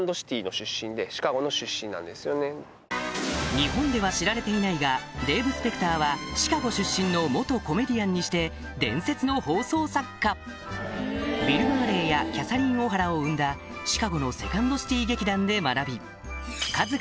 日本では知られていないがデーブ・スペクターはシカゴ出身の元コメディアンにして伝説の放送作家を生んだシカゴのセカンドシティ劇団で学び